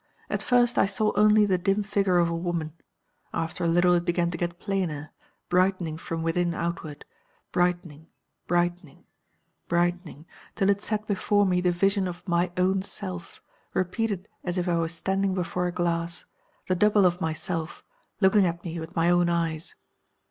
At first I saw only the dim figure of a woman. After a little it began to get plainer, brightening from within outward brightening, brightening, brightening, till it set before me the vision of MY OWN SELF, repeated as if I was standing before a glass the double of myself, looking at me with my own eyes.